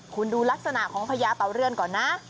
คุณดูลักษณะของพญาเตาเลื่อนก่อนนะ